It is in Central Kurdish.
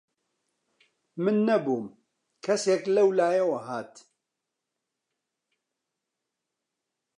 من نەبووم، کەسێک لەولایەوە هات